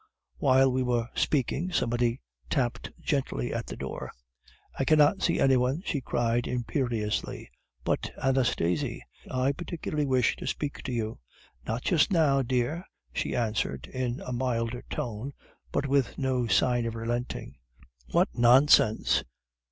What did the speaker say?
"'While we were speaking, somebody tapped gently at the door. "'"I cannot see any one," she cried imperiously. "'"But, Anastasie, I particularly wish to speak to you." "'"Not just now, dear," she answered in a milder tone, but with no sign of relenting. "'"What nonsense!